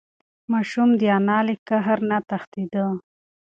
ماشوم د انا له قهر نه تښتېده.